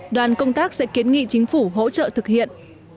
đoàn công tác sẽ kiến nghị chính phủ hỗ trợ thực hiện